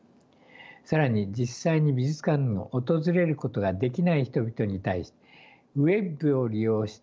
更に実際に美術館を訪れることができない人々に対しウェブを利用した